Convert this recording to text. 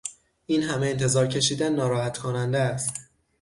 این همه انتظار کشیدن ناراحت کننده است.